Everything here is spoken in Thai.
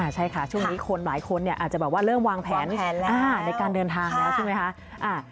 ใช่ค่ะช่วงนี้คนหลายคนอาจจะแบบว่าเริ่มวางแผนแล้วในการเดินทางแล้วใช่ไหมคะ